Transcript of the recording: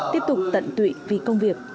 tiếp tục tận tụy vì công việc